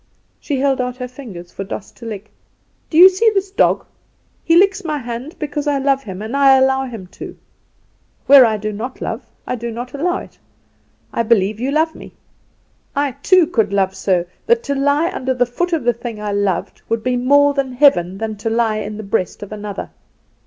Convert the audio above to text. She held out her fingers for Doss to lick. "Do you see this dog? He licks my hand because I love him; and I allow him to. Where I do not love I do not allow it. I believe you love me; I too could love so, that to lie under the foot of the thing I loved would be more heaven than to lie in the breast of another.